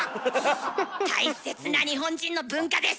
大切な日本人の文化です。